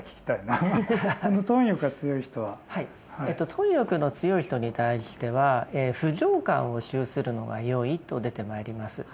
貪欲の強い人に対しては「不浄観」を修するのがよいと出てまいります。